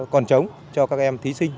còn trống cho các em thí sinh